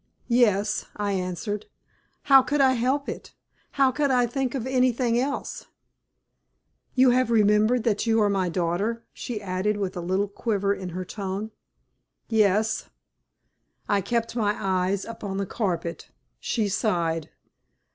"Yes," I answered. "How could I help it how could I think of anything else?" "You have remembered that you are my daughter," she added, with a little quiver in her tone. "Yes." I kept my eyes upon the carpet; she sighed.